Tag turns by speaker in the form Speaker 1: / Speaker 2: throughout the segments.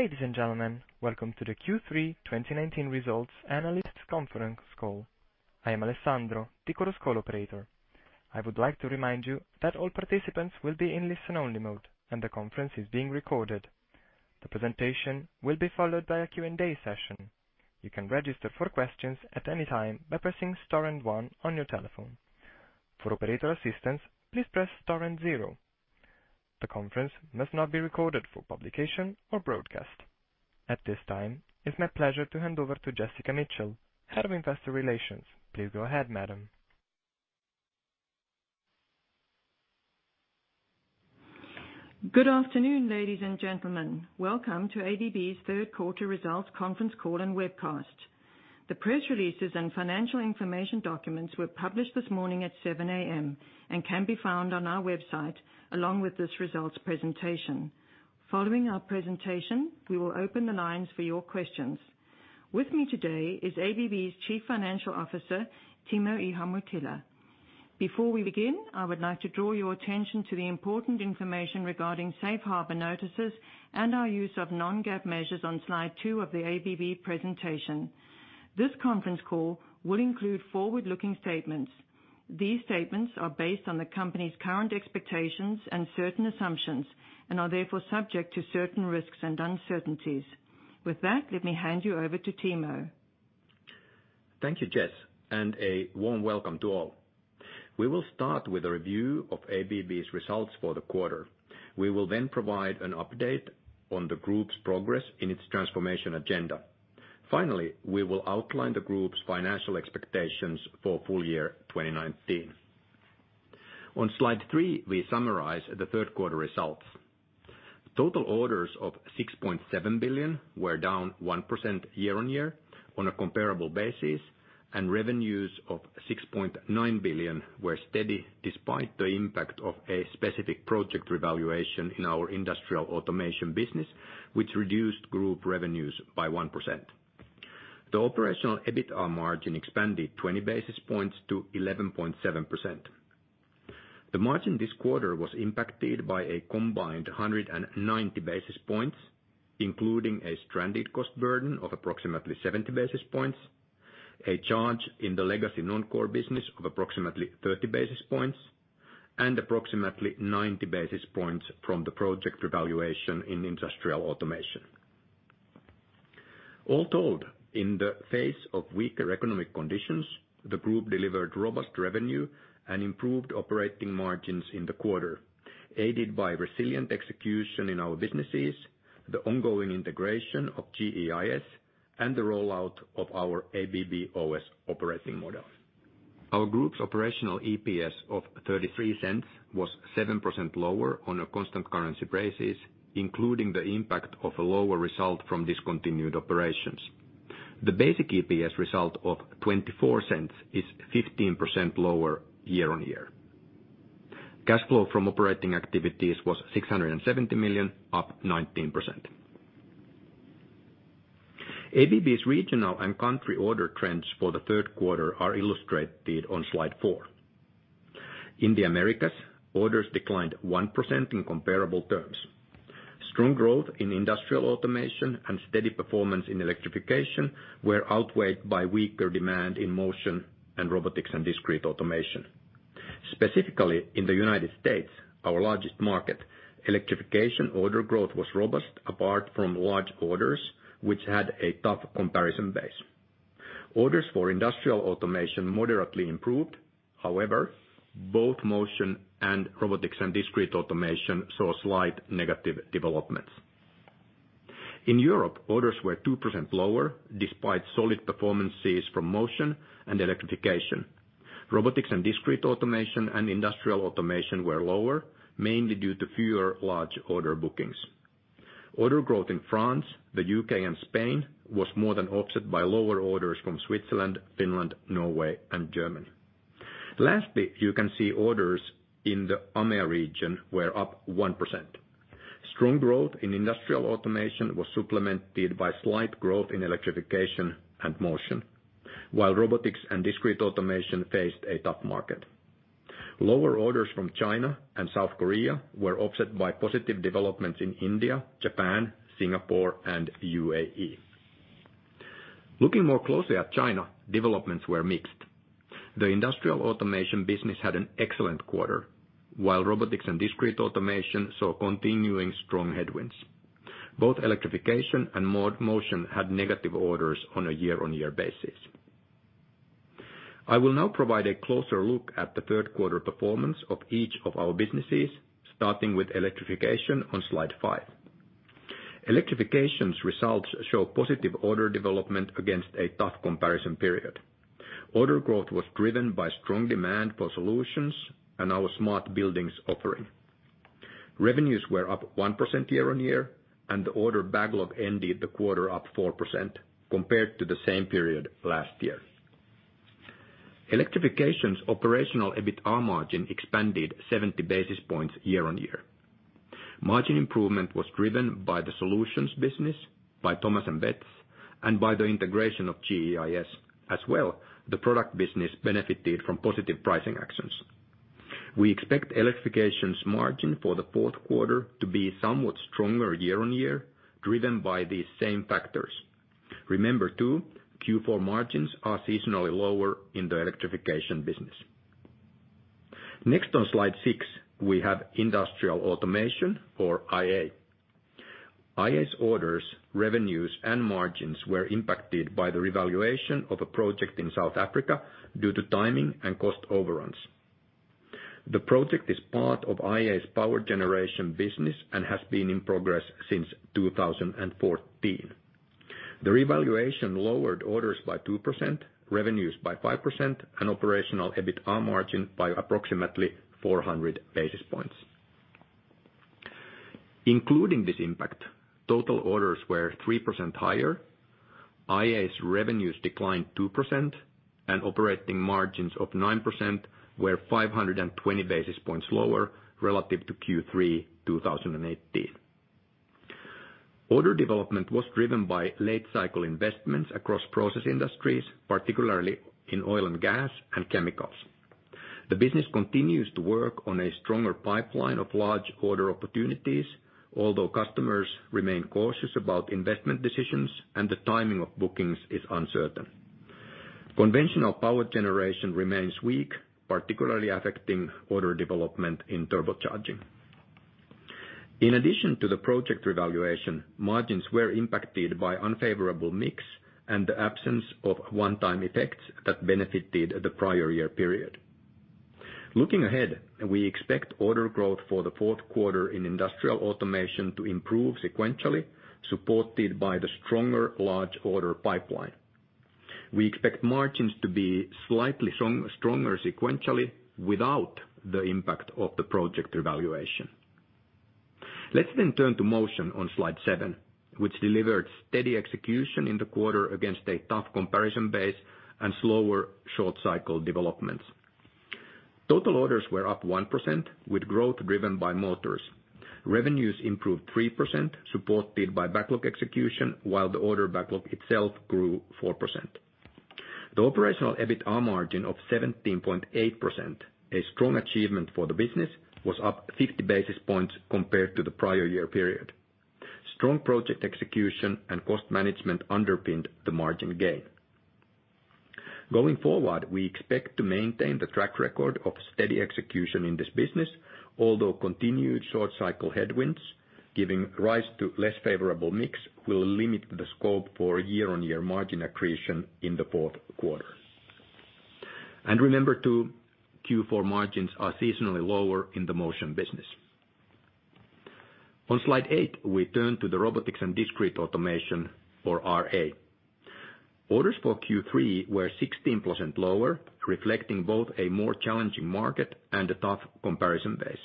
Speaker 1: Ladies and gentlemen, welcome to the Q3 2019 results analyst conference call. I am Alessandro, the Chorus Call operator. I would like to remind you that all participants will be in listen-only mode. The conference is being recorded. The presentation will be followed by a Q&A session. You can register for questions at any time by pressing star and one on your telephone. For operator assistance, please press star and zero. The conference must not be recorded for publication or broadcast. At this time, it's my pleasure to hand over to Jessica Mitchell, Head of Investor Relations. Please go ahead, madam.
Speaker 2: Good afternoon, ladies and gentlemen. Welcome to ABB's third quarter results conference call and webcast. The press releases and financial information documents were published this morning at 7:00 A.M. and can be found on our website along with this results presentation. Following our presentation, we will open the lines for your questions. With me today is ABB's Chief Financial Officer, Timo Ihamuotila. Before we begin, I would like to draw your attention to the important information regarding Safe Harbor notices and our use of non-GAAP measures on slide two of the ABB presentation. This conference call will include forward-looking statements. These statements are based on the company's current expectations and certain assumptions and are therefore subject to certain risks and uncertainties. With that, let me hand you over to Timo.
Speaker 3: Thank you, Jess, and a warm welcome to all. We will start with a review of ABB's results for the quarter. We will then provide an update on the group's progress in its transformation agenda. Finally, we will outline the group's financial expectations for full year 2019. On slide three, we summarize the third quarter results. Total orders of $6.7 billion were down 1% year-on-year on a comparable basis, and revenues of $6.9 billion were steady despite the impact of a specific project revaluation in our Industrial Automation business, which reduced group revenues by 1%. The Operational EBITA margin expanded 20 basis points to 11.7%. The margin this quarter was impacted by a combined 190 basis points, including a stranded cost burden of approximately 70 basis points, a charge in the legacy non-core business of approximately 30 basis points, and approximately 90 basis points from the project revaluation in Industrial Automation. All told, in the face of weaker economic conditions, the group delivered robust revenue and improved operating margins in the quarter, aided by resilient execution in our businesses, the ongoing integration of GEIS, and the rollout of our ABB-OS operating model. Our group's Operational EPS of $0.33 was 7% lower on a constant currency basis, including the impact of a lower result from discontinued operations. The basic EPS result of $0.24 is 15% lower year-on-year. Cash flow from operating activities was $670 million, up 19%. ABB's regional and country order trends for the third quarter are illustrated on slide four. In the Americas, orders declined 1% in comparable terms. Strong growth in Industrial Automation and steady performance in Electrification were outweighed by weaker demand in Motion and Robotics & Discrete Automation. Specifically, in the U.S., our largest market, Electrification order growth was robust apart from large orders, which had a tough comparison base. Orders for Industrial Automation moderately improved. However, both Motion and Robotics & Discrete Automation saw slight negative developments. In Europe, orders were 2% lower despite solid performances from Motion and Electrification. Robotics & Discrete Automation and Industrial Automation were lower, mainly due to fewer large order bookings. Order growth in France, the U.K., and Spain was more than offset by lower orders from Switzerland, Finland, Norway, and Germany. Lastly, you can see orders in the AMEA region were up 1%. Strong growth in Industrial Automation was supplemented by slight growth in Electrification and Motion, while Robotics & Discrete Automation faced a tough market. Lower orders from China and South Korea were offset by positive developments in India, Japan, Singapore, and U.A.E. Looking more closely at China, developments were mixed. The Industrial Automation business had an excellent quarter, while Robotics & Discrete Automation saw continuing strong headwinds. Both Electrification and Motion had negative orders on a year-on-year basis. I will now provide a closer look at the third quarter performance of each of our businesses, starting with Electrification on slide five. Electrification's results show positive order development against a tough comparison period. Order growth was driven by strong demand for solutions and our smart buildings offering. Revenues were up 1% year-on-year, and the order backlog ended the quarter up 4% compared to the same period last year. Electrification's operational EBITDA margin expanded 70 basis points year-on-year. Margin improvement was driven by the solutions business, by Thomas & Betts, and by the integration of GEIS. The product business benefited from positive pricing actions. We expect Electrification's margin for the fourth quarter to be somewhat stronger year-on-year, driven by these same factors. Remember too, Q4 margins are seasonally lower in the Electrification business. On slide six, we have Industrial Automation, or IA. IA's orders, revenues, and margins were impacted by the revaluation of a project in South Africa due to timing and cost overruns. The project is part of IA's power generation business and has been in progress since 2014. The revaluation lowered orders by 2%, revenues by 5%, and operational EBITDA margin by approximately 400 basis points. Including this impact, total orders were 3% higher, IA's revenues declined 2%, and operating margins of 9% were 520 basis points lower relative to Q3 2018. Order development was driven by late cycle investments across process industries, particularly in oil and gas and chemicals. The business continues to work on a stronger pipeline of large order opportunities, although customers remain cautious about investment decisions and the timing of bookings is uncertain. Conventional power generation remains weak, particularly affecting order development in turbocharging. In addition to the project revaluation, margins were impacted by unfavorable mix and the absence of one-time effects that benefited the prior year period. Looking ahead, we expect order growth for the fourth quarter in Industrial Automation to improve sequentially, supported by the stronger large order pipeline. We expect margins to be slightly stronger sequentially without the impact of the project revaluation. Let's turn to Motion on slide seven, which delivered steady execution in the quarter against a tough comparison base and slower short cycle developments. Total orders were up 1%, with growth driven by motors. Revenues improved 3%, supported by backlog execution, while the order backlog itself grew 4%. The Operational EBITA margin of 17.8%, a strong achievement for the business, was up 50 basis points compared to the prior year period. Strong project execution and cost management underpinned the margin gain. Going forward, we expect to maintain the track record of steady execution in this business, although continued short cycle headwinds giving rise to less favorable mix will limit the scope for year-on-year margin accretion in the fourth quarter. Remember too, Q4 margins are seasonally lower in the Motion business. On slide eight, we turn to the Robotics & Discrete Automation, or RA. Orders for Q3 were 16% lower, reflecting both a more challenging market and a tough comparison base.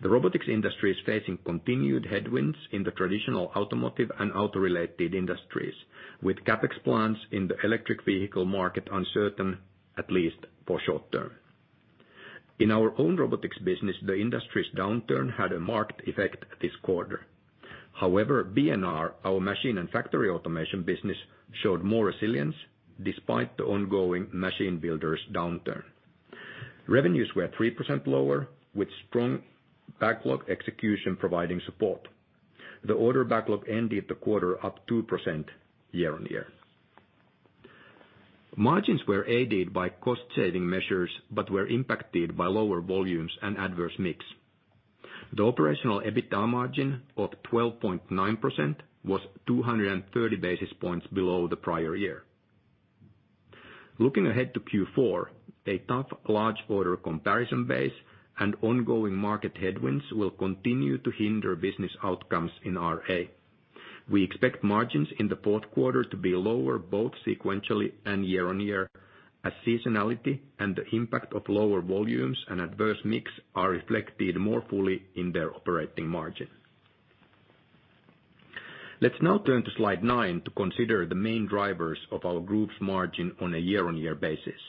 Speaker 3: The robotics industry is facing continued headwinds in the traditional automotive and auto-related industries, with CapEx plans in the electric vehicle market uncertain at least for short term. In our own robotics business, the industry's downturn had a marked effect this quarter. B&R, our machine and factory automation business, showed more resilience despite the ongoing machine builders downturn. Revenues were 3% lower, with strong backlog execution providing support. The order backlog ended the quarter up 2% year-on-year. Margins were aided by cost-saving measures, were impacted by lower volumes and adverse mix. The Operational EBITA margin of 12.9% was 230 basis points below the prior year. Looking ahead to Q4, a tough large order comparison base and ongoing market headwinds will continue to hinder business outcomes in RA. We expect margins in the fourth quarter to be lower, both sequentially and year-on-year, as seasonality and the impact of lower volumes and adverse mix are reflected more fully in their operating margin. Let's now turn to slide nine to consider the main drivers of our group's margin on a year-on-year basis.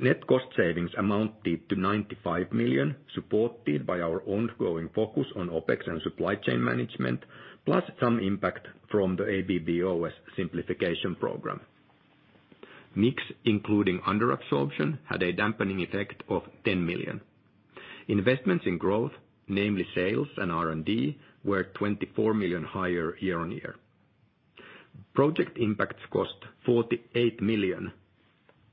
Speaker 3: Net cost savings amounted to $95 million, supported by our ongoing focus on OPEX and supply chain management, plus some impact from the ABB-OS simplification program. Mix, including under absorption, had a dampening effect of $10 million. Investments in growth, namely sales and R&D, were $24 million higher year-on-year. Project impacts cost $48 million,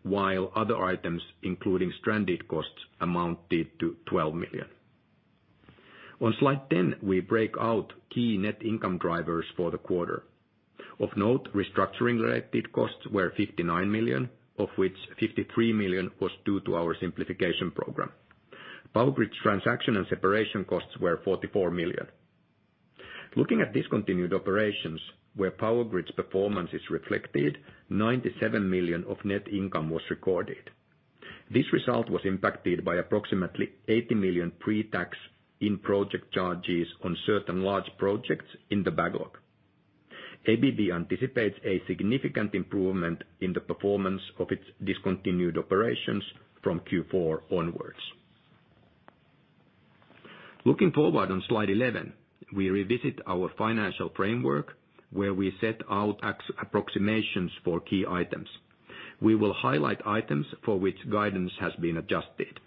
Speaker 3: while other items, including stranded costs, amounted to $12 million. On slide 10, we break out key net income drivers for the quarter. Of note, restructuring-related costs were 59 million, of which 53 million was due to our simplification program. Power Grids transaction and separation costs were 44 million. Looking at discontinued operations where Power Grids performance is reflected, 97 million of net income was recorded. This result was impacted by approximately 80 million pre-tax in project charges on certain large projects in the backlog. ABB anticipates a significant improvement in the performance of its discontinued operations from Q4 onwards. Looking forward on slide 11, we revisit our financial framework, where we set out approximations for key items. We will highlight items for which guidance has been adjusted.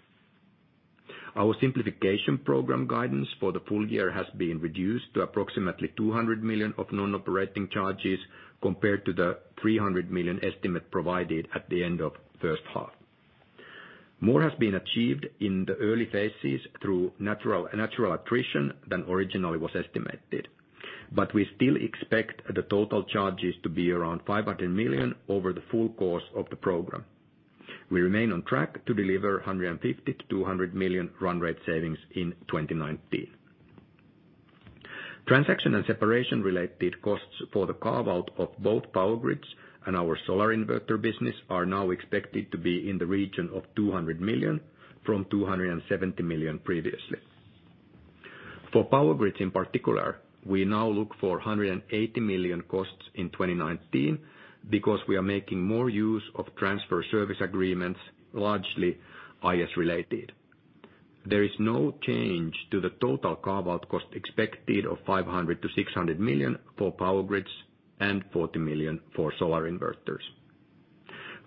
Speaker 3: Our simplification program guidance for the full year has been reduced to approximately 200 million of non-operating charges compared to the 300 million estimate provided at the end of the first half. More has been achieved in the early phases through natural attrition than originally was estimated. We still expect the total charges to be around $500 million over the full course of the program. We remain on track to deliver $150 million-$200 million run rate savings in 2019. Transaction and separation-related costs for the carve-out of both Power Grids and our solar inverter business are now expected to be in the region of $200 million from $270 million previously. For Power Grids, in particular, we now look for $180 million costs in 2019 because we are making more use of transfer service agreements, largely IS related. There is no change to the total carve-out cost expected of $500 million-$600 million for Power Grids and $40 million for solar inverters.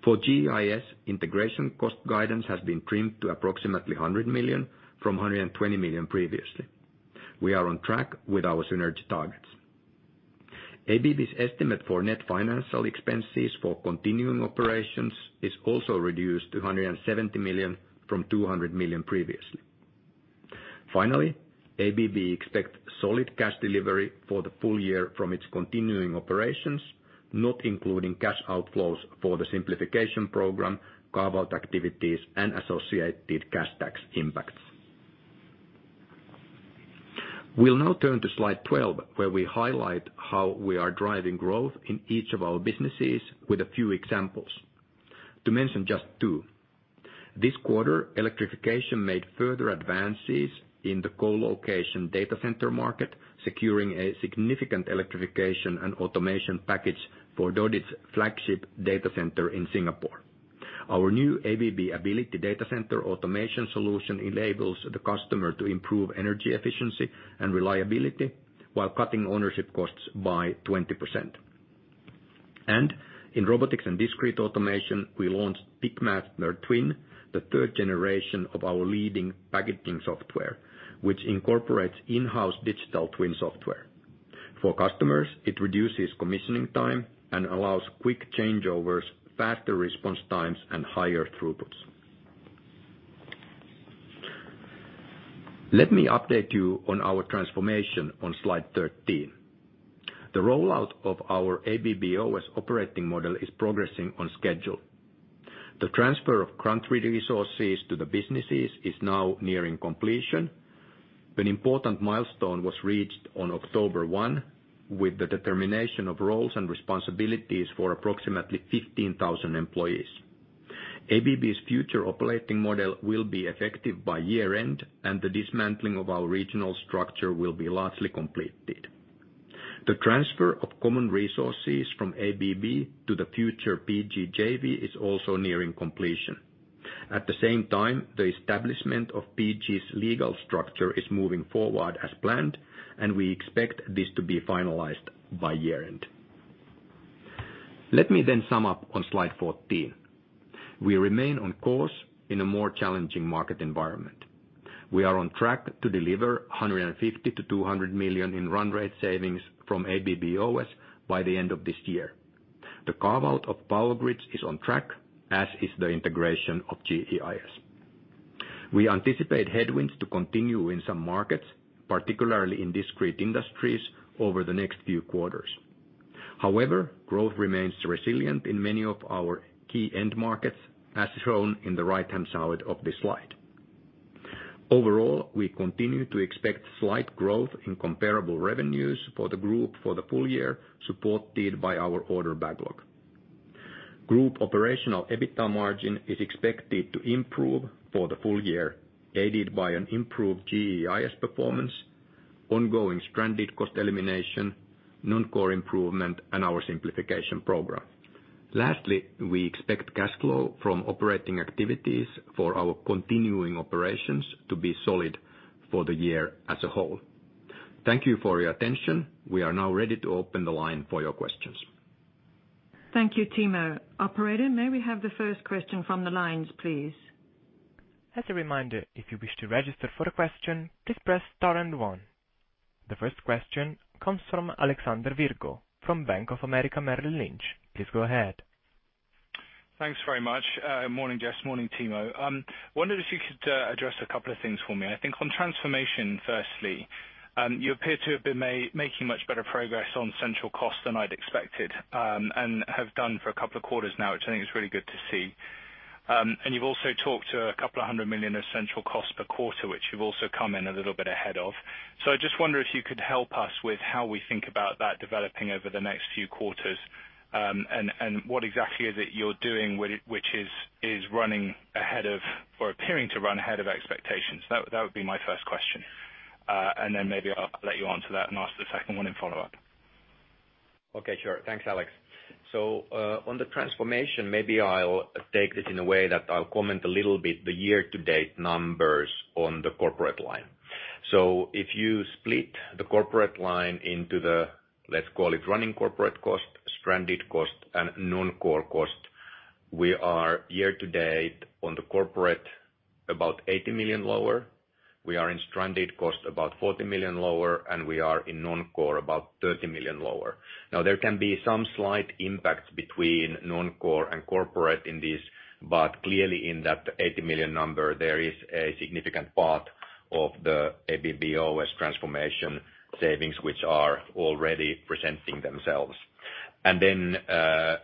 Speaker 3: For GEIS, integration cost guidance has been trimmed to approximately $100 million from $120 million previously. We are on track with our synergy targets. ABB's estimate for net financial expenses for continuing operations is also reduced to $170 million from $200 million previously. Finally, ABB expects solid cash delivery for the full year from its continuing operations, not including cash outflows for the simplification program, carve-out activities, and associated cash tax impacts. We'll now turn to slide 12, where we highlight how we are driving growth in each of our businesses with a few examples. To mention just two. This quarter, Electrification made further advances in the co-location data center market, securing a significant Electrification and automation package for Diodes' flagship data center in Singapore. Our new ABB Ability data center automation solution enables the customer to improve energy efficiency and reliability while cutting ownership costs by 20%. In Robotics & Discrete Automation, we launched PickMaster Twin, the third generation of our leading packaging software, which incorporates in-house digital twin software. For customers, it reduces commissioning time and allows quick changeovers, faster response times, and higher throughputs. Let me update you on our transformation on slide 13. The rollout of our ABB-OS operating model is progressing on schedule. The transfer of country resources to the businesses is now nearing completion. An important milestone was reached on October 1 with the determination of roles and responsibilities for approximately 15,000 employees. ABB's future operating model will be effective by year-end, and the dismantling of our regional structure will be largely completed. The transfer of common resources from ABB to the future PG JV is also nearing completion. At the same time, the establishment of PG's legal structure is moving forward as planned, and we expect this to be finalized by year-end. Let me sum up on slide 14. We remain on course in a more challenging market environment. We are on track to deliver $150 million-$200 million in run rate savings from ABB-OS by the end of this year. The carve-out of Power Grids is on track, as is the integration of GEIS. We anticipate headwinds to continue in some markets, particularly in discrete industries, over the next few quarters. Growth remains resilient in many of our key end markets, as shown in the right-hand side of this slide. We continue to expect slight growth in comparable revenues for the group for the full year, supported by our order backlog. Group Operational EBITA margin is expected to improve for the full year, aided by an improved GEIS performance, ongoing stranded cost elimination, non-core improvement, and our simplification program. Lastly, we expect cash flow from operating activities for our continuing operations to be solid for the year as a whole. Thank you for your attention. We are now ready to open the line for your questions.
Speaker 2: Thank you, Timo. Operator, may we have the first question from the lines, please?
Speaker 1: As a reminder, if you wish to register for a question, please press star and one. The first question comes from Alexander Virgo from Bank of America Merrill Lynch. Please go ahead.
Speaker 4: Thanks very much. Morning, Jess. Morning, Timo. Wondered if you could address 2 things for me. I think on transformation, firstly. You appear to have been making much better progress on central cost than I'd expected, and have done for 2 quarters now, which I think is really good to see. You've also talked to $200 million of central cost per quarter, which you've also come in a little bit ahead of. I just wonder if you could help us with how we think about that developing over the next few quarters, and what exactly is it you're doing which is running ahead of, or appearing to run ahead of expectations. That would be my first question. Then maybe I'll let you answer that and ask the second one in follow-up.
Speaker 3: Okay, sure. Thanks, Alex. On the transformation, maybe I'll take this in a way that I'll comment a little bit the year-to-date numbers on the corporate line. If you split the corporate line into the, let's call it, running corporate cost, stranded cost, and non-core cost. We are year-to-date on the corporate about $80 million lower. We are in stranded cost about $40 million lower, and we are in non-core about $30 million lower. There can be some slight impacts between non-core and corporate in this, but clearly in that $80 million number, there is a significant part of the ABB-OS transformation savings, which are already presenting themselves.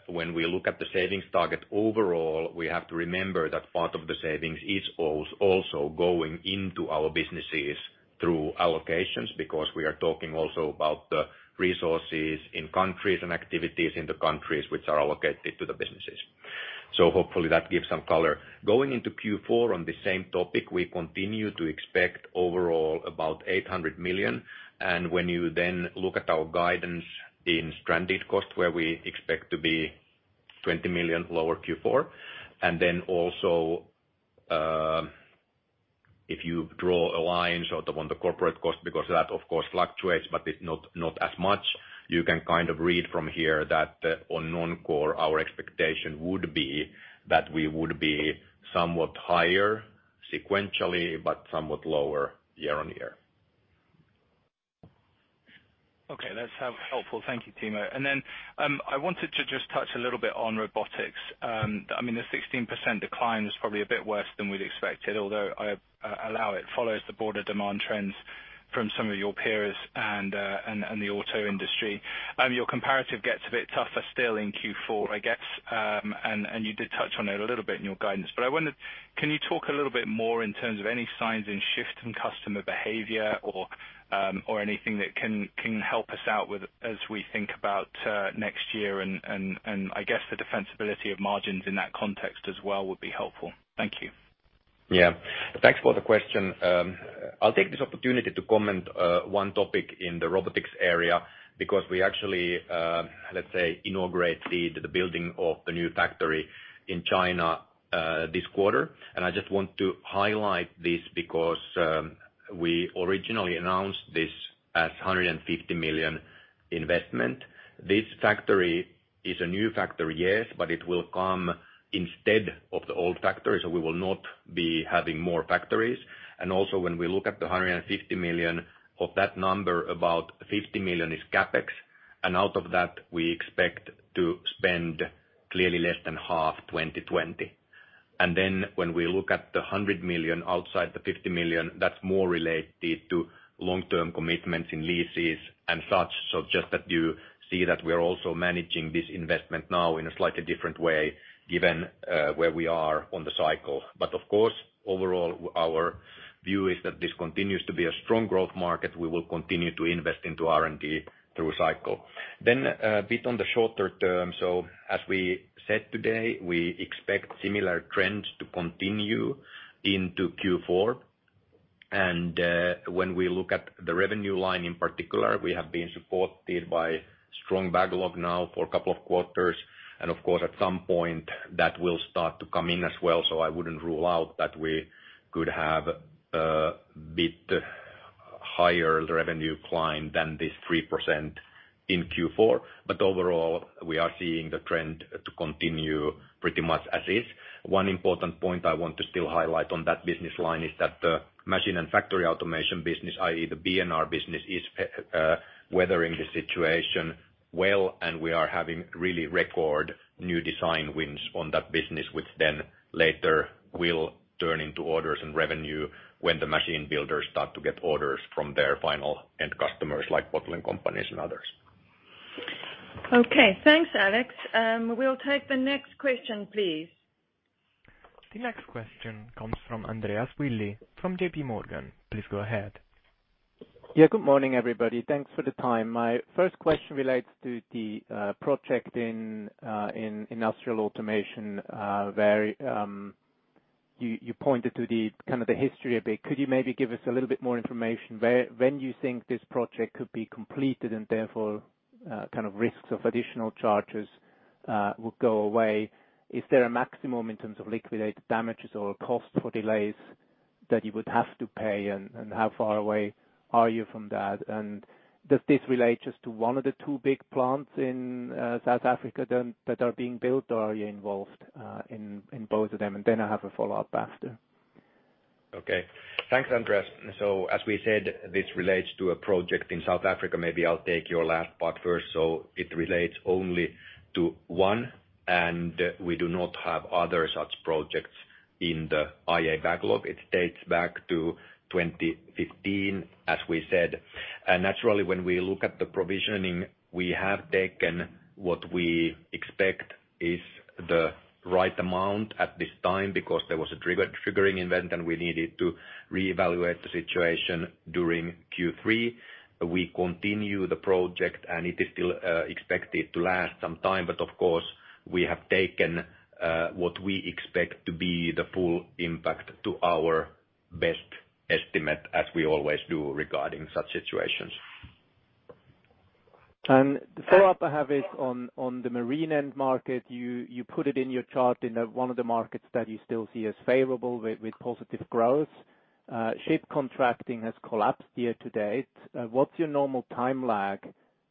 Speaker 3: When we look at the savings target overall, we have to remember that part of the savings is also going into our businesses through allocations, because we are talking also about the resources in countries and activities in the countries which are allocated to the businesses. Hopefully, that gives some color. Going into Q4 on the same topic, we continue to expect overall about $800 million. When you look at our guidance in stranded cost, where we expect to be $20 million lower Q4, also, if you draw a line sort of on the corporate cost because that of course fluctuates, but not as much, you can kind of read from here that on non-core, our expectation would be that we would be somewhat higher sequentially, but somewhat lower year-on-year.
Speaker 4: Okay. That's helpful. Thank you, Timo. I wanted to just touch a little bit on robotics. The 16% decline is probably a bit worse than we'd expected, although I allow it follows the broader demand trends from some of your peers and the auto industry. Your comparative gets a bit tougher still in Q4, I guess. You did touch on it a little bit in your guidance, but I wondered, can you talk a little bit more in terms of any signs in shift in customer behavior or anything that can help us out as we think about next year and I guess the defensibility of margins in that context as well would be helpful. Thank you.
Speaker 3: Yeah. Thanks for the question. I'll take this opportunity to comment one topic in the robotics area because we actually, let's say, inaugurate the building of the new factory in China this quarter. I just want to highlight this because we originally announced this as $150 million investment. This factory is a new factory, yes, it will come instead of the old factory. We will not be having more factories. Also when we look at the $150 million, of that number, about $50 million is CapEx. Out of that, we expect to spend clearly less than half 2020. Then when we look at the $100 million outside the $50 million, that's more related to long-term commitments in leases and such. Just that you see that we're also managing this investment now in a slightly different way given where we are on the cycle. Of course, overall, our view is that this continues to be a strong growth market. We will continue to invest into R&D through cycle. A bit on the shorter term. As we said today, we expect similar trends to continue into Q4. When we look at the revenue line in particular, we have been supported by strong backlog now for a couple of quarters. Of course, at some point that will start to come in as well, so I wouldn't rule out that we could have a bit higher revenue decline than this 3% in Q4. Overall, we are seeing the trend to continue pretty much as is. One important point I want to still highlight on that business line is that the machine and factory automation business, i.e., the B&R business, is weathering the situation well, and we are having really record new design wins on that business, which then later will turn into orders and revenue when the machine builders start to get orders from their final end customers, like bottling companies and others.
Speaker 2: Okay. Thanks, Alex. We'll take the next question, please.
Speaker 1: The next question comes from Andreas Willi from J.P. Morgan. Please go ahead.
Speaker 5: Yeah, good morning, everybody. Thanks for the time. My first question relates to the project in Industrial Automation, where you pointed to the kind of the history a bit. Could you maybe give us a little bit more information when you think this project could be completed and therefore, kind of risks of additional charges will go away? Is there a maximum in terms of liquidated damages or cost for delays that you would have to pay? How far away are you from that? Does this relate just to one of the two big plants in South Africa that are being built, or are you involved in both of them? I have a follow-up after.
Speaker 3: Okay. Thanks, Andreas. As we said, this relates to a project in South Africa. Maybe I'll take your last part first. It relates only to one, and we do not have other such projects in the IA backlog. It dates back to 2015, as we said. Naturally, when we look at the provisioning, we have taken what we expect is the right amount at this time because there was a triggering event, and we needed to reevaluate the situation during Q3. We continue the project, and it is still expected to last some time, but of course we have taken what we expect to be the full impact to our best estimate as we always do regarding such situations.
Speaker 5: The follow-up I have is on the marine end market. You put it in your chart in one of the markets that you still see as favorable with positive growth. Ship contracting has collapsed year to date. What's your normal time lag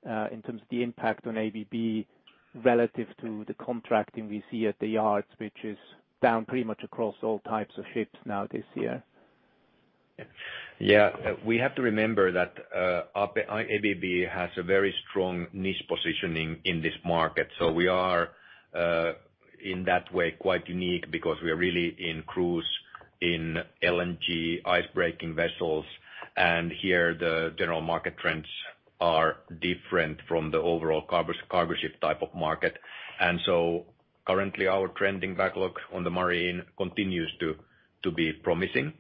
Speaker 5: in terms of the impact on ABB relative to the contracting we see at the yards, which is down pretty much across all types of ships now this year?
Speaker 3: Yeah. We have to remember that ABB has a very strong niche positioning in this market. We are in that way, quite unique because we are really in cruise, in LNG, icebreaking vessels, and here the general market trends are different from the overall cargo ship type of market. Currently our trending backlog on the marine continues to be promising.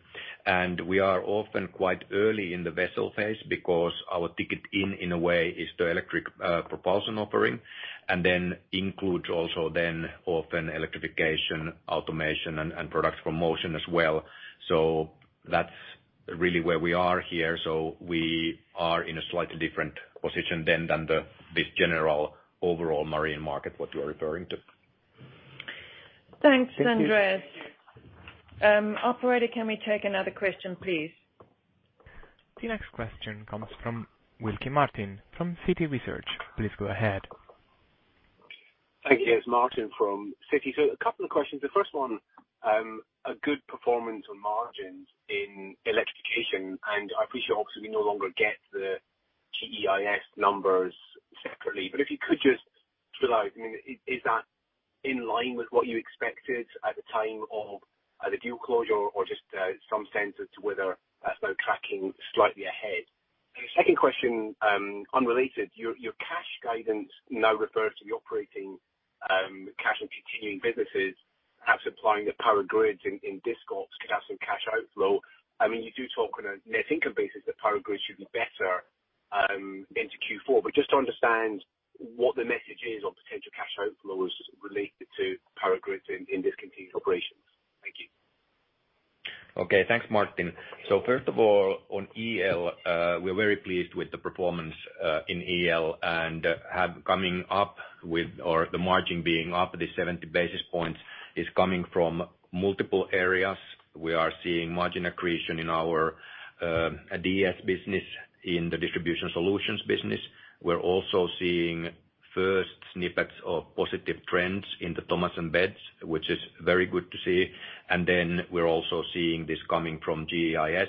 Speaker 3: We are often quite early in the vessel phase because our ticket in a way, is the electric propulsion offering, and then includes also then often Electrification, automation, and products from Motion as well. That's really where we are here. We are in a slightly different position than this general overall marine market, what you are referring to.
Speaker 2: Thanks, Andreas. Operator, can we take another question, please?
Speaker 1: The next question comes from Martin Wilkie from Citi Research. Please go ahead.
Speaker 6: Thank you. It's Martin from Citi Research. A couple of questions. The first one, a good performance on margins in Electrification, and I appreciate obviously we no longer get the GEIS numbers separately. If you could just, I mean, is that in line with what you expected at the time of either deal closure or just some sense as to whether that's now tracking slightly ahead? The second question, unrelated, your cash guidance now refers to the operating cash and continuing businesses, perhaps applying the Power Grids in disc ops could have some cash outflow. I mean, you do talk on a net income basis that Power Grids should be better into Q4. Just to understand what the message is on potential cash outflows related to Power Grids in discontinued operations. Thank you.
Speaker 3: Okay. Thanks, Martin. First of all, on EL, we're very pleased with the performance in EL and the margin being up this 70 basis points is coming from multiple areas. We are seeing margin accretion in our DS business, in the distribution solutions business. We're also seeing first snippets of positive trends in the Thomas & Betts, which is very good to see. We're also seeing this coming from GEIS.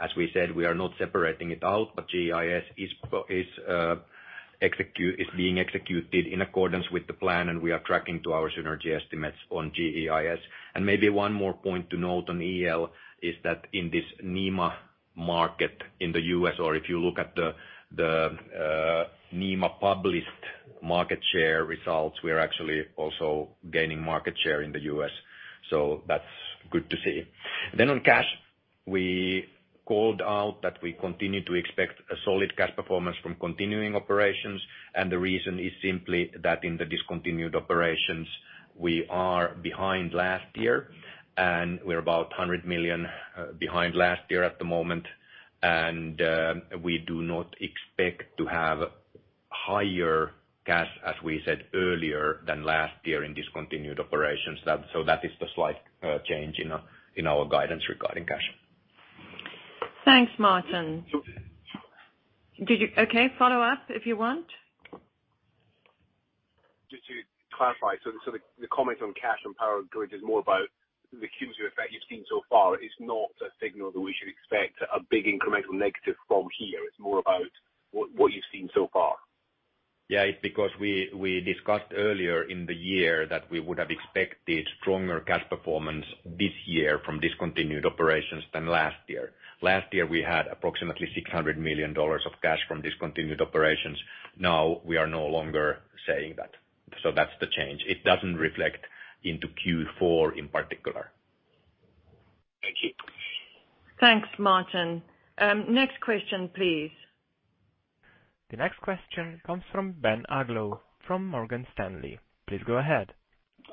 Speaker 3: As we said, we are not separating it out. GEIS is being executed in accordance with the plan, and we are tracking to our synergy estimates on GEIS. Maybe one more point to note on EL is that in this NEMA market in the U.S., or if you look at the NEMA published market share results, we're actually also gaining market share in the U.S. That's good to see. On cash, we called out that we continue to expect a solid cash performance from continuing operations. The reason is simply that in the discontinued operations, we are behind last year. We're about $100 million behind last year at the moment. We do not expect to have higher cash, as we said earlier, than last year in discontinued operations. That is the slight change in our guidance regarding cash.
Speaker 2: Thanks, Martin.
Speaker 6: So-
Speaker 2: Okay, follow up if you want.
Speaker 6: Just to clarify, the comment on cash and Power Grids is more about the cumulative effect you've seen so far is not a signal that we should expect a big incremental negative from here. It's more about what you've seen so far.
Speaker 3: It's because we discussed earlier in the year that we would have expected stronger cash performance this year from discontinued operations than last year. Last year, we had approximately $600 million of cash from discontinued operations. Now we are no longer saying that. That's the change. It doesn't reflect into Q4 in particular.
Speaker 6: Thank you.
Speaker 2: Thanks, Martin. Next question, please.
Speaker 1: The next question comes from Ben Uglow from Morgan Stanley. Please go ahead.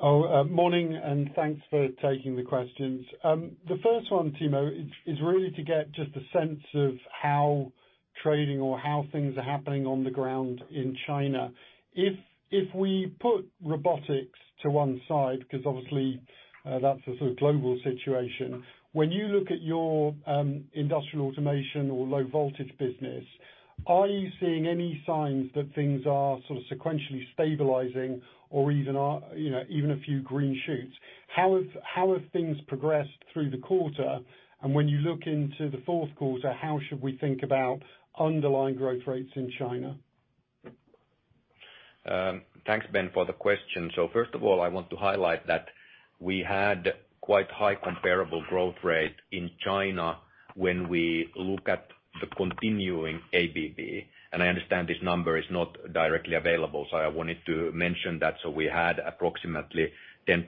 Speaker 7: Morning, and thanks for taking the questions. The first one, Timo, is really to get just a sense of how trading or how things are happening on the ground in China. If we put robotics to one side, because obviously, that's a sort of global situation, when you look at your Industrial Automation or low voltage business, are you seeing any signs that things are sort of sequentially stabilizing or even a few green shoots? How have things progressed through the quarter? When you look into the fourth quarter, how should we think about underlying growth rates in China?
Speaker 3: Thanks, Ben, for the question. First of all, I want to highlight that we had quite high comparable growth rate in China when we look at the continuing ABB, and I understand this number is not directly available, so I wanted to mention that. We had approximately 10%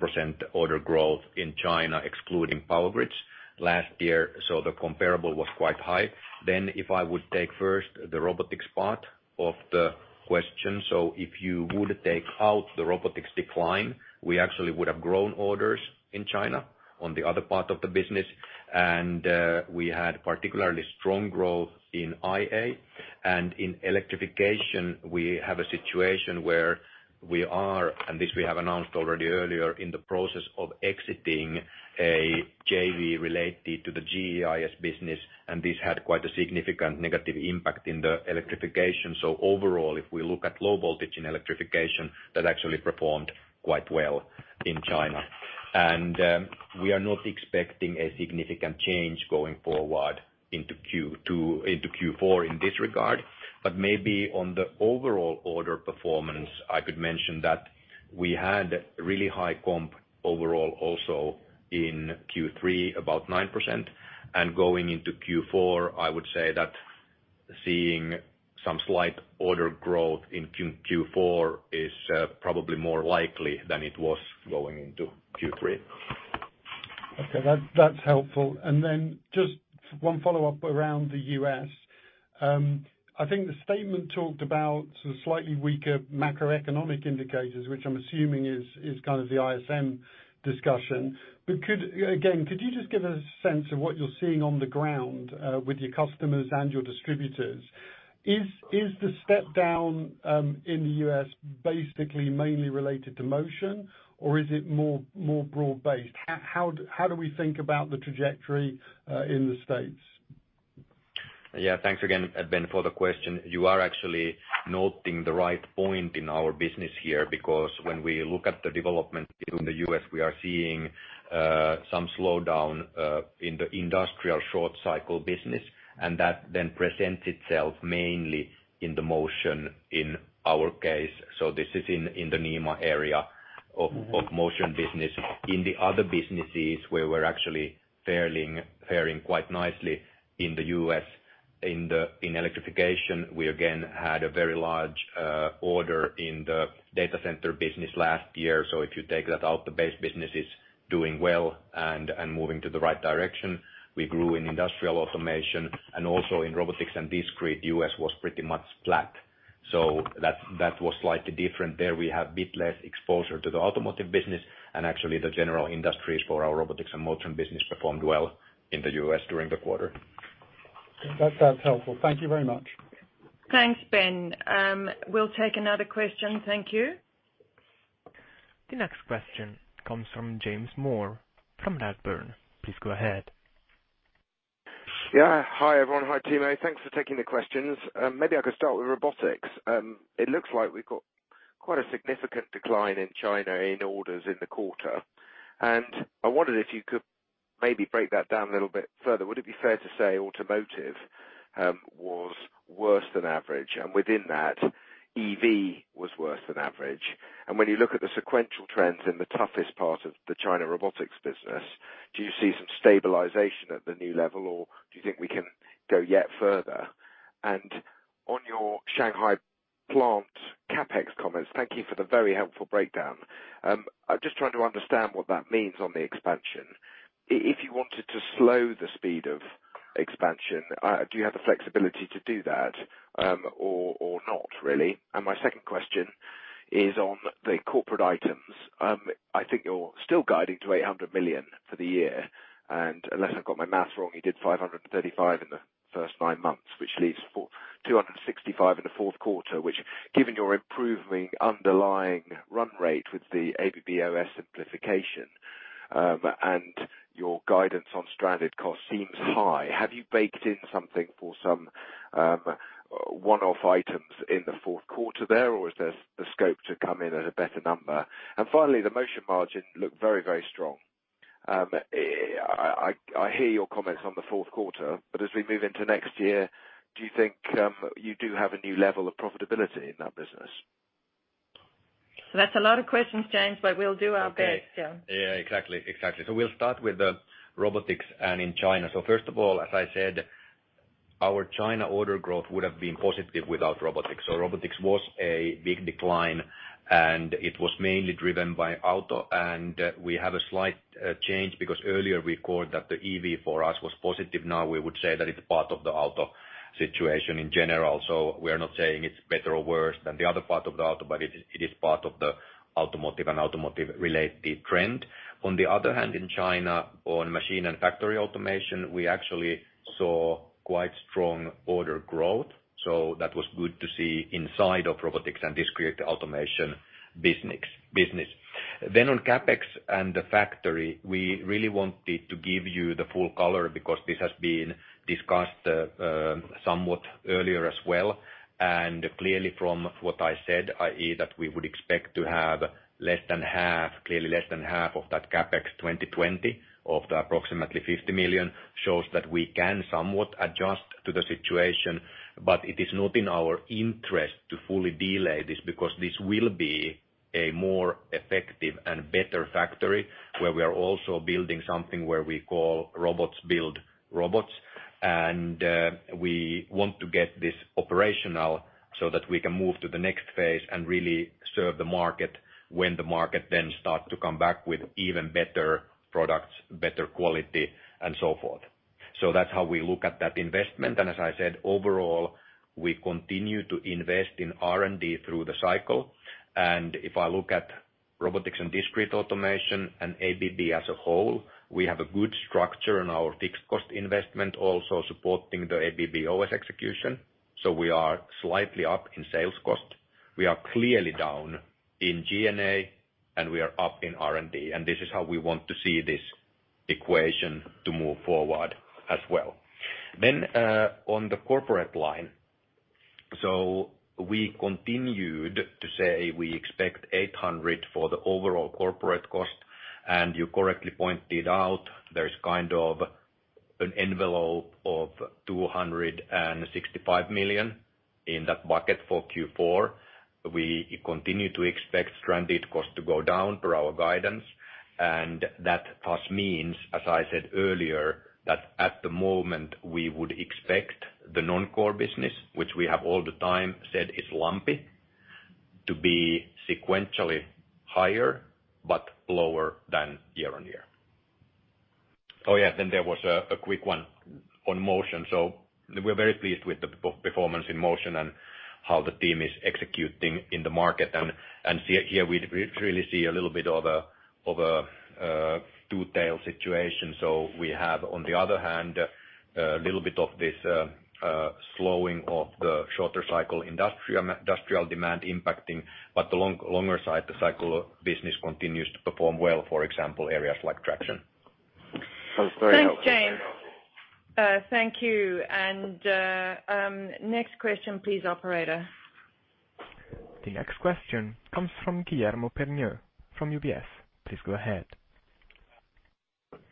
Speaker 3: order growth in China, excluding Power Grids last year, so the comparable was quite high. If I would take first the robotics part of the question. If you would take out the robotics decline, we actually would have grown orders in China on the other part of the business. We had particularly strong growth in IA. In Electrification, we have a situation where we are, and this we have announced already earlier, in the process of exiting a JV related to the GEIS business, and this had quite a significant negative impact in the Electrification. Overall, if we look at low voltage and Electrification, that actually performed quite well in China. We are not expecting a significant change going forward into Q4 in this regard. Maybe on the overall order performance, I could mention that we had really high comp overall also in Q3, about 9%. Going into Q4, I would say that seeing some slight order growth in Q4 is probably more likely than it was going into Q3.
Speaker 7: Okay. That's helpful. Then just one follow-up around the U.S. I think the statement talked about sort of slightly weaker macroeconomic indicators, which I'm assuming is kind of the ISM discussion. Again, could you just give a sense of what you're seeing on the ground with your customers and your distributors? Is the step down in the U.S. basically mainly related to Motion, or is it more broad-based? How do we think about the trajectory in the States?
Speaker 3: Thanks again, Ben, for the question. You are actually noting the right point in our business here, because when we look at the development in the U.S., we are seeing some slowdown in the industrial short cycle business, and that then presents itself mainly in the Motion in our case. This is in the NEMA area of Motion business. In the other businesses, where we're actually faring quite nicely in the U.S. in Electrification. We again had a very large order in the data center business last year. If you take that out, the base business is doing well and moving to the right direction. We grew in Industrial Automation and also in Robotics and Discrete. U.S. was pretty much flat, that was slightly different. There we have bit less exposure to the automotive business and actually the general industries for our Robotics and Motion business performed well in the U.S. during the quarter.
Speaker 7: That's helpful. Thank you very much.
Speaker 2: Thanks, Ben. We'll take another question. Thank you.
Speaker 1: The next question comes from James Moore from Redburn. Please go ahead.
Speaker 8: Hi, everyone. Hi, Timo. Thanks for taking the questions. Maybe I could start with robotics. It looks like we've got quite a significant decline in China in orders in the quarter. I wondered if you could maybe break that down a little bit further. Would it be fair to say automotive was worse than average, and within that, EV was worse than average? When you look at the sequential trends in the toughest part of the China robotics business, do you see some stabilization at the new level, or do you think we can go yet further? On your Shanghai plant CapEx comments, thank you for the very helpful breakdown. I'm just trying to understand what that means on the expansion. If you wanted to slow the speed of expansion, do you have the flexibility to do that or not, really? My second question is on the corporate items. I think you're still guiding to $800 million for the year, unless I've got my math wrong, you did $535 in the first nine months, which leaves $265 in the fourth quarter, which given your improving underlying run rate with the ABB-OS simplification and your guidance on stranded cost seems high. Have you baked in something for some one-off items in the fourth quarter there, or is there the scope to come in at a better number? Finally, the Motion margin looked very strong. I hear your comments on the fourth quarter, but as we move into next year, do you think you do have a new level of profitability in that business?
Speaker 2: That's a lot of questions, James, but we'll do our best. Yeah.
Speaker 3: Yeah, exactly. We'll start with the robotics and in China. First of all, as I said, our China order growth would have been positive without robotics. Robotics was a big decline, and it was mainly driven by auto. We have a slight change because earlier we called that the EV for us was positive. Now we would say that it's part of the auto situation in general. We are not saying it's better or worse than the other part of the auto, but it is part of the automotive and automotive related trend. On the other hand, in China, on machine and factory automation, we actually saw quite strong order growth. That was good to see inside of Robotics & Discrete Automation business. On CapEx and the factory, we really wanted to give you the full color because this has been discussed somewhat earlier as well. Clearly from what I said, i.e., that we would expect to have less than half, clearly less than half of that CapEx 2020 of the approximately $50 million, shows that we can somewhat adjust to the situation. It is not in our interest to fully delay this, because this will be a more effective and better factory where we are also building something where we call robots build robots. We want to get this operational so that we can move to the next phase and really serve the market when the market then starts to come back with even better products, better quality, and so forth. That's how we look at that investment. As I said, overall, we continue to invest in R&D through the cycle. If I look at Robotics & Discrete Automation and ABB as a whole, we have a good structure in our fixed cost investment, also supporting the ABB-OS execution. We are slightly up in sales cost. We are clearly down in G&A, and we are up in R&D, and this is how we want to see this equation to move forward as well. On the corporate line. We continued to say we expect $800 for the overall corporate cost, and you correctly pointed out there's kind of an envelope of $265 million in that bucket for Q4. We continue to expect stranded cost to go down per our guidance, that thus means, as I said earlier, that at the moment we would expect the non-core business, which we have all the time said is lumpy, to be sequentially higher but lower than year-on-year. Oh, yeah. There was a quick one on Motion. We're very pleased with the performance in Motion and how the team is executing in the market. Here we really see a little bit of a two-tail situation. We have, on the other hand, a little bit of this slowing of the shorter cycle industrial demand impacting, but the longer side, the cycle business continues to perform well, for example, areas like traction.
Speaker 8: That was very helpful.
Speaker 2: Thanks, James. Thank you. Next question please, operator.
Speaker 1: The next question comes from Guillermo Peigneux-Lojo from UBS. Please go ahead.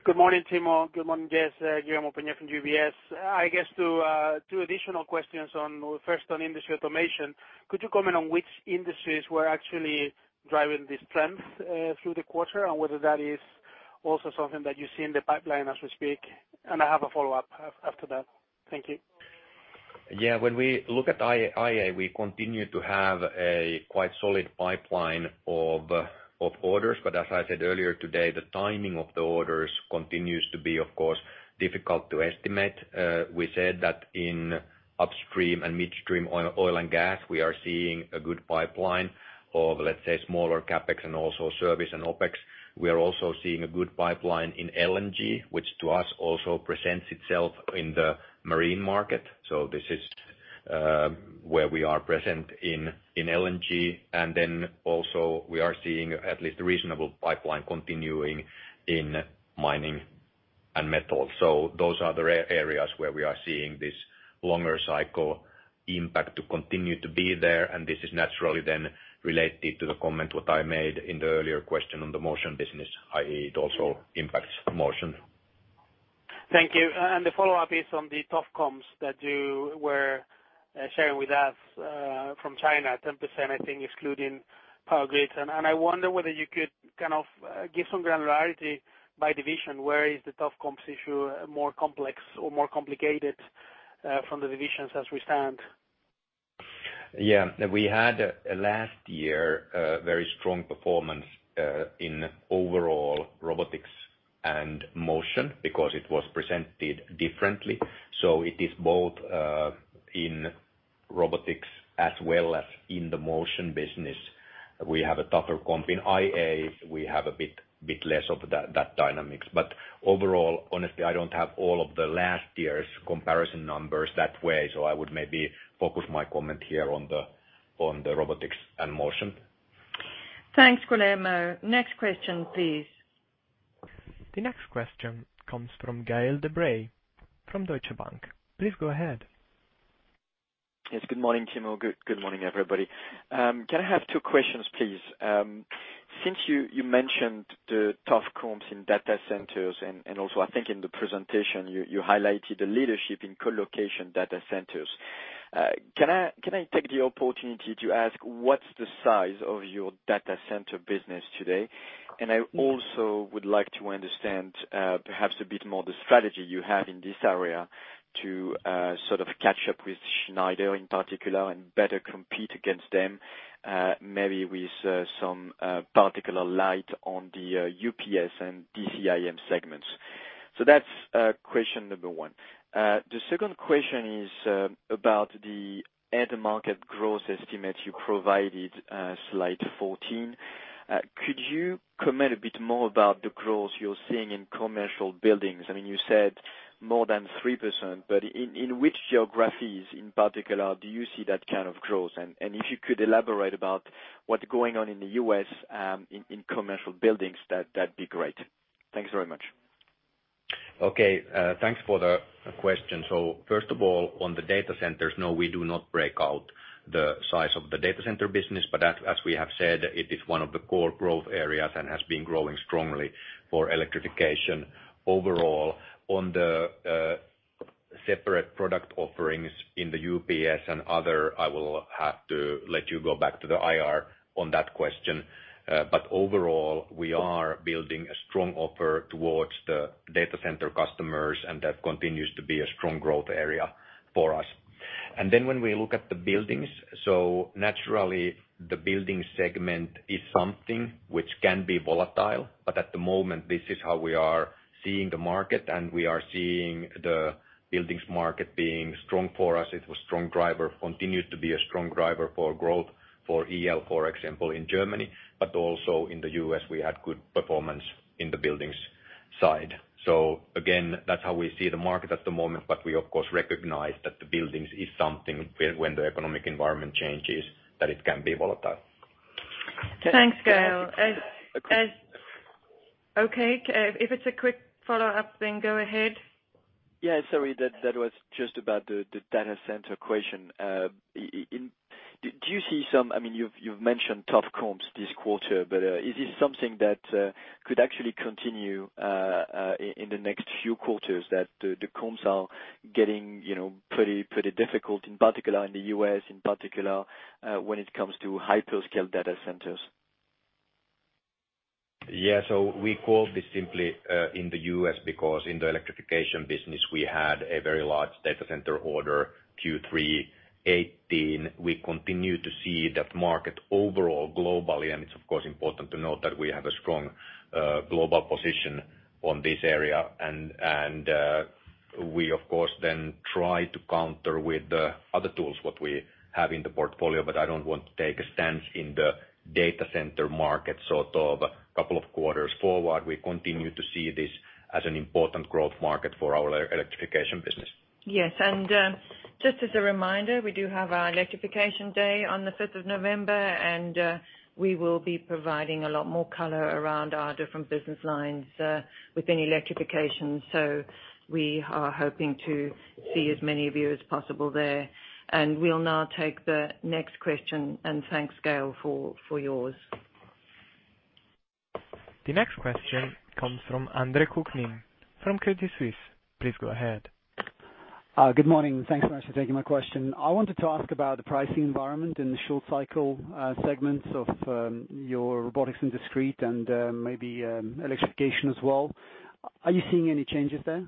Speaker 9: Good morning, Timo. Good morning, Jess. Guillermo Peigneux-Lojo from UBS. I guess two additional questions. Well, first on Industrial Automation. Could you comment on which industries were actually driving this trend through the quarter, and whether that is also something that you see in the pipeline as we speak? I have a follow-up after that. Thank you.
Speaker 3: Yeah. As I said earlier today, the timing of the orders continues to be, of course, difficult to estimate. We said that in upstream and midstream oil and gas, we are seeing a good pipeline of, let's say, smaller CapEx and also service and OpEx. We are also seeing a good pipeline in LNG, which to us also presents itself in the marine market. This is where we are present in LNG. We are seeing at least a reasonable pipeline continuing in mining and metal. Those are the areas where we are seeing this longer cycle impact to continue to be there, and this is naturally then related to the comment what I made in the earlier question on the Motion business, i.e. it also impacts Motion.
Speaker 9: Thank you. The follow-up is on the tough comps that you were sharing with us from China, 10%, I think, excluding Power Grids. I wonder whether you could kind of give some granularity by division. Where is the tough comps issue more complex or more complicated from the divisions as we stand?
Speaker 3: Yeah. We had last year a very strong performance in overall Robotics and Motion because it was presented differently. It is both in Robotics as well as in the Motion business. We have a tougher comp in IA. We have a bit less of that dynamic. Overall, honestly, I don't have all of the last year's comparison numbers that way. I would maybe focus my comment here on the Robotics and Motion.
Speaker 2: Thanks, Guillermo. Next question, please.
Speaker 1: The next question comes from Gael De-Bray from Deutsche Bank. Please go ahead.
Speaker 10: Yes, good morning, Timo. Good morning, everybody. Can I have two questions please? Since you mentioned the tough comps in data centers and also I think in the presentation you highlighted the leadership in colocation data centers. Can I take the opportunity to ask what's the size of your data center business today? I also would like to understand perhaps a bit more the strategy you have in this area to sort of catch up with Schneider Electric in particular and better compete against them, maybe with some particular light on the UPS and DCIM segments. That's question number one. The second question is about the end market growth estimate you provided, slide 14. Could you comment a bit more about the growth you're seeing in commercial buildings? I mean, you said more than 3%, in which geographies in particular do you see that kind of growth? If you could elaborate about what's going on in the U.S. in commercial buildings, that'd be great. Thanks very much.
Speaker 3: Okay. Thanks for the question. First of all, on the data centers, no, we do not break out the size of the data center business, but as we have said, it is one of the core growth areas and has been growing strongly for Electrification overall. On the separate product offerings in the UPS and other, I will have to let you go back to the IR on that question. Overall, we are building a strong offer towards the data center customers, and that continues to be a strong growth area for us. When we look at the buildings, naturally, the building segment is something which can be volatile, but at the moment, this is how we are seeing the market, and we are seeing the buildings market being strong for us. It continues to be a strong driver for growth for EL, for example, in Germany, but also in the U.S. we had good performance in the buildings side. Again, that's how we see the market at the moment, but we, of course, recognize that the buildings is something, when the economic environment changes, that it can be volatile.
Speaker 2: Thanks, Gael. Okay. If it's a quick follow-up, go ahead.
Speaker 10: Yeah. Sorry. That was just about the data center question. Is it something that could actually continue in the next few quarters that the comps are getting pretty difficult, in particular in the U.S., in particular when it comes to hyperscale data centers?
Speaker 3: We called this simply in the U.S. because in the Electrification business, we had a very large data center order Q3 2018. We continue to see that market overall globally, and it's of course important to note that we have a strong global position on this area, and we, of course, then try to counter with the other tools what we have in the portfolio. I don't want to take a stance in the data center market. Couple of quarters forward, we continue to see this as an important growth market for our Electrification business.
Speaker 2: Yes. Just as a reminder, we do have our Electrification Day on the 5th of November, and we will be providing a lot more color around our different business lines within Electrification. We are hoping to see as many of you as possible there. We'll now take the next question, and thanks, Gael, for yours.
Speaker 1: The next question comes from Andre Kukhnin from Credit Suisse. Please go ahead.
Speaker 11: Good morning. Thanks so much for taking my question. I wanted to ask about the pricing environment in the short cycle segments of your robotics and discrete and maybe Electrification as well. Are you seeing any changes there?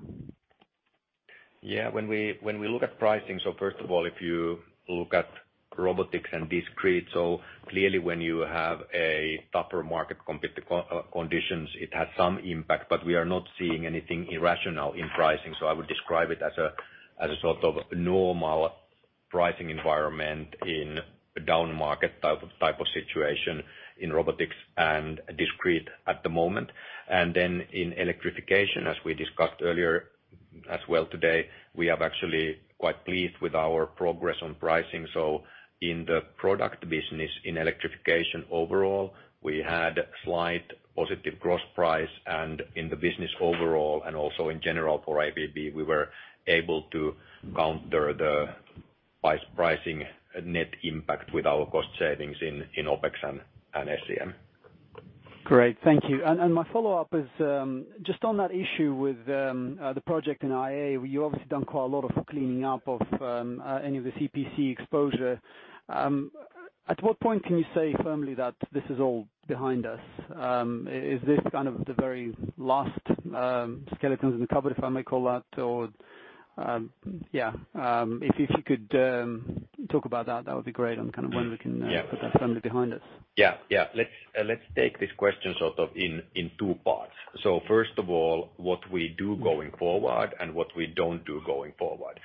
Speaker 3: Yeah. When we look at pricing, so first of all, if you look at Robotics and Discrete, so clearly when you have a tougher market competitive conditions, it has some impact, but we are not seeing anything irrational in pricing. I would describe it as a sort of normal pricing environment in a down market type of situation in Robotics and Discrete at the moment. In Electrification, as we discussed earlier as well today, we have actually quite pleased with our progress on pricing. In the product business, in Electrification overall, we had slight positive gross price, and in the business overall and also in general for ABB, we were able to counter the pricing net impact with our cost savings in OpEx and SCM.
Speaker 11: Great. Thank you. My follow-up is just on that issue with the project in IA. You've obviously done quite a lot of cleaning up of any of the EPC exposure. At what point can you say firmly that this is all behind us? Is this kind of the very last skeletons in the cupboard, if I may call that? If you could talk about that would be great on kind of when we can-
Speaker 3: Yeah
Speaker 11: put that firmly behind us.
Speaker 3: Let's take this question sort of in two parts. First of all, what we do going forward and what we don't do going forward.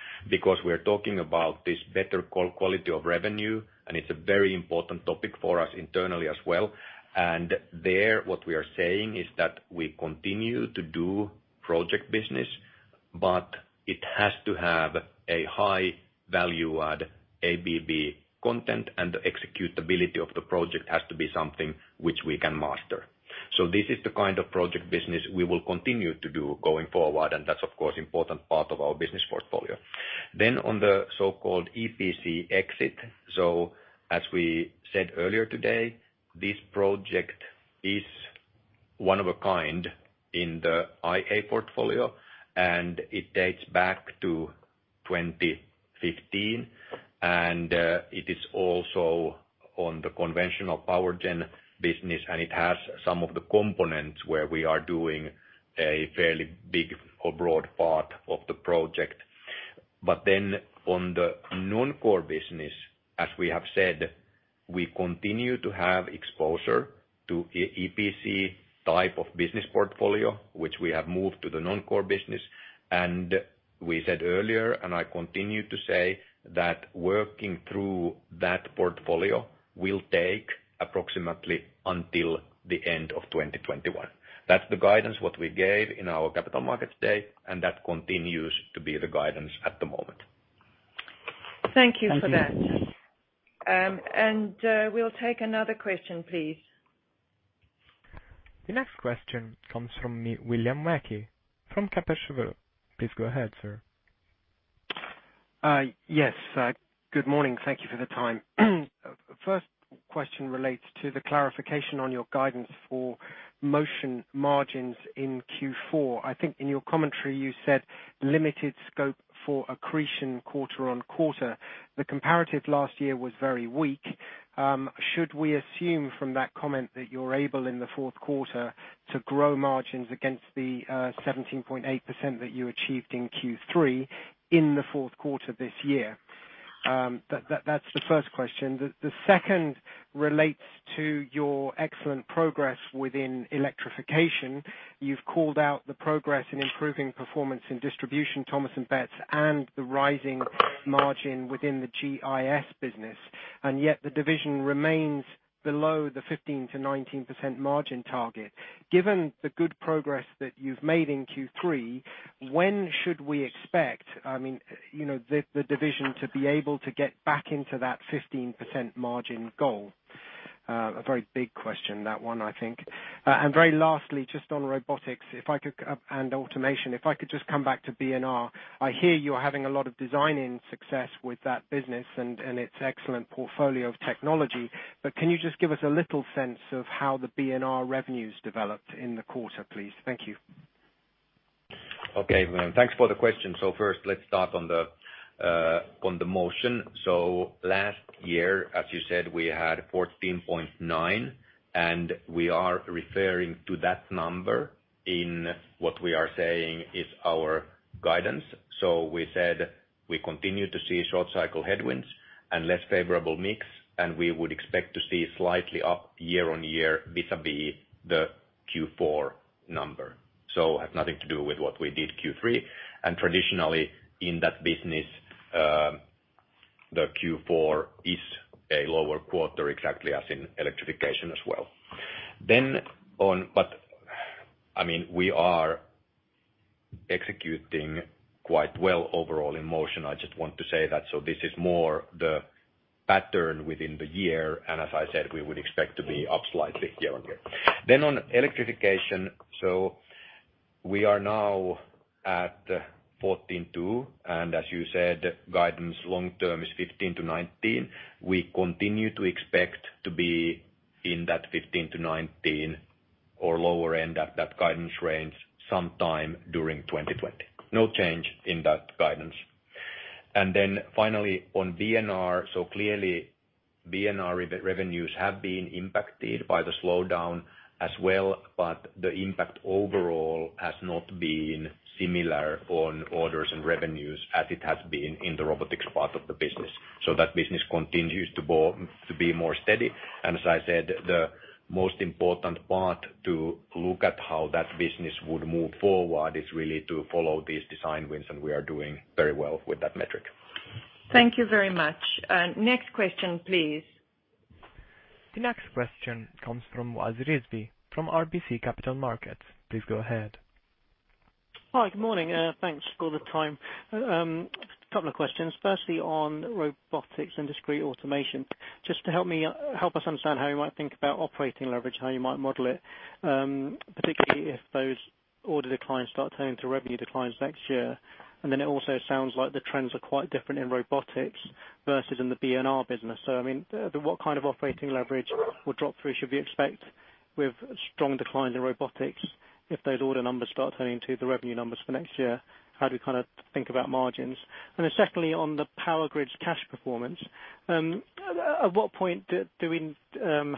Speaker 3: We're talking about this better quality of revenue, and it's a very important topic for us internally as well. There, what we are saying is that we continue to do project business, but it has to have a high value add ABB content, and the executability of the project has to be something which we can master. This is the kind of project business we will continue to do going forward, and that's of course important part of our business portfolio. On the so-called EPC exit. As we said earlier today, this project is one of a kind in the IA portfolio, and it dates back to 2015. It is also on the conventional power gen business, and it has some of the components where we are doing a fairly big or broad part of the project. On the non-core business, as we have said, we continue to have exposure to EPC type of business portfolio, which we have moved to the non-core business. We said earlier, and I continue to say, that working through that portfolio will take approximately until the end of 2021. That's the guidance, what we gave in our Capital Markets Day, and that continues to be the guidance at the moment.
Speaker 2: Thank you for that. We'll take another question, please.
Speaker 1: The next question comes from William Mackie from Kepler Cheuvreux. Please go ahead, sir.
Speaker 12: Yes. Good morning. Thank you for the time. First question relates to the clarification on your guidance for Motion margins in Q4. I think in your commentary you said limited scope for accretion quarter-on-quarter. The comparative last year was very weak. Should we assume from that comment that you're able in the fourth quarter to grow margins against the 17.8% that you achieved in Q3 in the fourth quarter this year? That's the first question. The second relates to your excellent progress within Electrification. You've called out the progress in improving performance in distribution, Thomas & Betts, and the rising margin within the GIS business. Yet the division remains below the 15%-19% margin target. Given the good progress that you've made in Q3, when should we expect the division to be able to get back into that 15% margin goal? A very big question, that one, I think. Very lastly, just on robotics and automation, if I could just come back to B&R. I hear you're having a lot of design success with that business and its excellent portfolio of technology. Can you just give us a little sense of how the B&R revenues developed in the quarter, please? Thank you.
Speaker 3: Okay. Thanks for the question. First, let's start on the Motion. Last year, as you said, we had 14.9%, and we are referring to that number in what we are saying is our guidance. We said we continue to see short cycle headwinds and less favorable mix, and we would expect to see slightly up year-on-year vis-a-vis the Q4 number. Has nothing to do with what we did Q3. Traditionally in that business, the Q4 is a lower quarter, exactly as in Electrification as well. We are executing quite well overall in Motion. I just want to say that. This is more the pattern within the year. As I said, we would expect to be up slightly year-on-year. On Electrification. We are now at 14.2%, and as you said, guidance long term is 15%-19%. We continue to expect to be in that 15-19 or lower end at that guidance range sometime during 2020. No change in that guidance. Finally on B&R. Clearly B&R revenues have been impacted by the slowdown as well, but the impact overall has not been similar on orders and revenues as it has been in the robotics part of the business. That business continues to be more steady. As I said, the most important part to look at how that business would move forward is really to follow these design wins, and we are doing very well with that metric.
Speaker 2: Thank you very much. Next question, please.
Speaker 1: The next question comes from Wasi Rizvi from RBC Capital Markets. Please go ahead.
Speaker 13: Hi, good morning. Thanks for the time. Couple of questions. Firstly, on Robotics & Discrete Automation. Just to help us understand how you might think about operating leverage, how you might model it, particularly if those order declines start turning to revenue declines next year. It also sounds like the trends are quite different in robotics versus in the B&R business. What kind of operating leverage or drop through should we expect with strong declines in robotics if those order numbers start turning into the revenue numbers for next year? How do we kind of think about margins? Secondly, on the Power Grids cash performance. At what point do we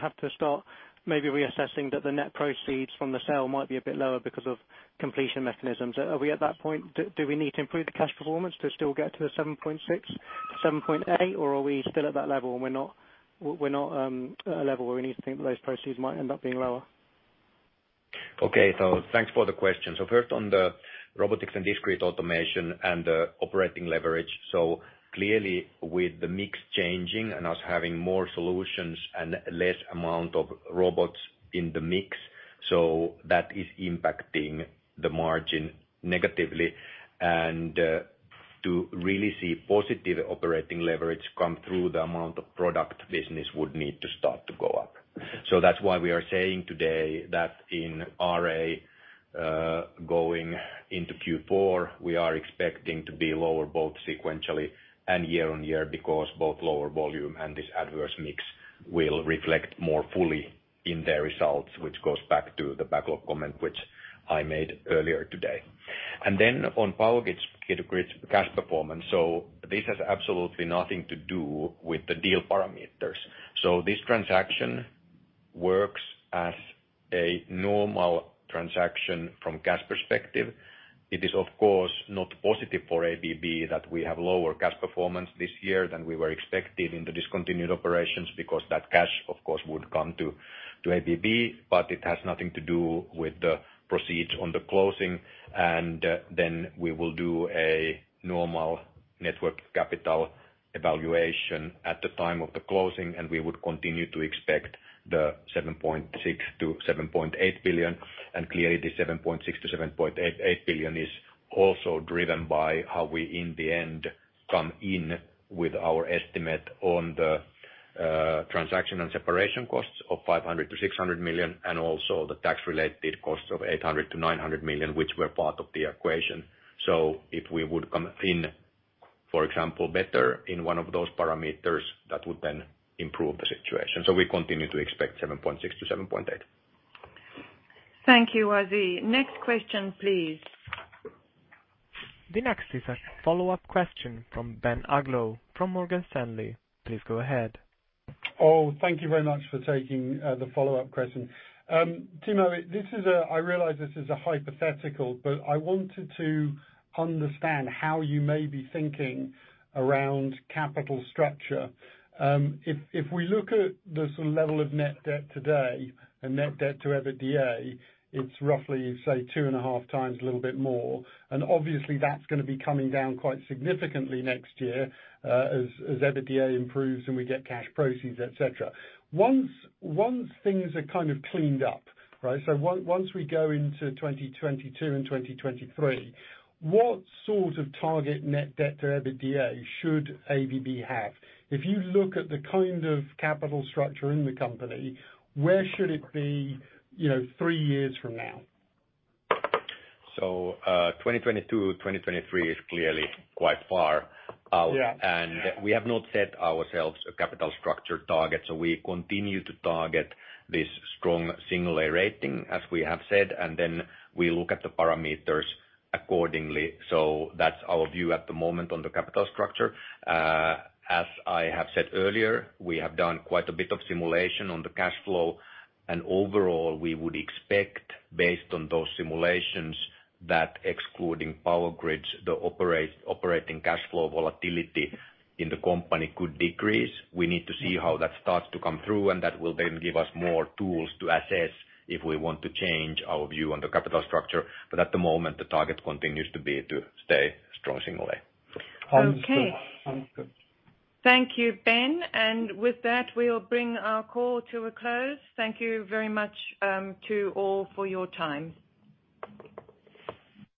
Speaker 13: have to start maybe reassessing that the net proceeds from the sale might be a bit lower because of completion mechanisms? Are we at that point? Do we need to improve the cash performance to still get to the $7.6, $7.8, or are we still at that level and we're not at a level where we need to think that those proceeds might end up being lower?
Speaker 3: Okay. Thanks for the question. First on the Robotics & Discrete Automation and the operating leverage. Clearly with the mix changing and us having more solutions and less amount of robots in the mix, that is impacting the margin negatively. To really see positive operating leverage come through the amount of product business would need to start to go up. That's why we are saying today that in RA, going into Q4, we are expecting to be lower both sequentially and year-on-year because both lower volume and this adverse mix will reflect more fully in their results, which goes back to the backlog comment which I made earlier today. Then on Power Grids cash performance. This has absolutely nothing to do with the deal parameters. This transaction works as a normal transaction from cash perspective. It is of course not positive for ABB that we have lower cash performance this year than we were expecting in the discontinued operations because that cash of course would come to ABB. It has nothing to do with the proceeds on the closing. We will do a normal network capital evaluation at the time of the closing, and we would continue to expect $7.6 billion-$7.8 billion. Clearly the $7.6 billion-$7.8 billion is also driven by how we in the end come in with our estimate on the transaction and separation costs of $500 million-$600 million and also the tax-related costs of $800 million-$900 million, which were part of the equation. If we would come in, for example, better in one of those parameters, that would then improve the situation. We continue to expect $7.6 billion-$7.8 billion.
Speaker 2: Thank you, Wasi. Next question, please.
Speaker 1: The next is a follow-up question from Ben Uglow from Morgan Stanley. Please go ahead.
Speaker 7: Thank you very much for taking the follow-up question. Timo, I realize this is a hypothetical, I wanted to understand how you may be thinking around capital structure. If we look at the level of net debt today and net debt to EBITDA, it's roughly, say 2.5 times a little bit more. Obviously that's going to be coming down quite significantly next year as EBITDA improves and we get cash proceeds, et cetera. Once things are kind of cleaned up, right, once we go into 2022 and 2023, what sort of target net debt to EBITDA should ABB have? If you look at the kind of capital structure in the company, where should it be three years from now?
Speaker 3: 2022, 2023 is clearly quite far out.
Speaker 7: Yeah.
Speaker 3: We have not set ourselves a capital structure target. We continue to target this strong single A rating, as we have said, and then we look at the parameters accordingly. That's our view at the moment on the capital structure. As I have said earlier, we have done quite a bit of simulation on the cash flow. Overall, we would expect based on those simulations, that excluding Power Grids, the operating cash flow volatility in the company could decrease. We need to see how that starts to come through, and that will then give us more tools to assess if we want to change our view on the capital structure. At the moment, the target continues to be to stay strong single A.
Speaker 7: Sounds good.
Speaker 2: Okay. Thank you, Ben. With that, we'll bring our call to a close. Thank you very much to all for your time.